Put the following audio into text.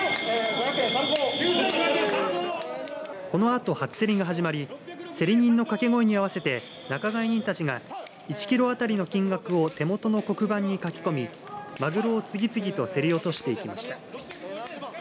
このあと、初競りが始まり競り人のかけ声に合わせて仲買人たちが１キロ当たりの金額を手元の黒板に書き込みマグロを次々と競り落としていきました。